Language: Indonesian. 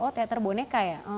oh teater boneka ya